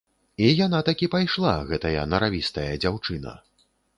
І яна такі пайшла, гэтая наравістая дзяўчына.